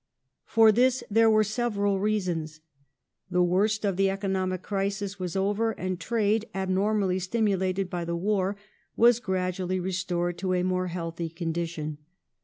For this there were several reasons. The worst of the economic crisis was over, and trade, abnormally stimulated by the war, was gradually restored to a more healthy condition.